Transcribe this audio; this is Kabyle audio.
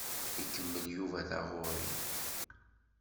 Ikemmel Yuba taɣuṛi.